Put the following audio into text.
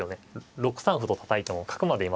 ６三歩とたたいても角までいますから。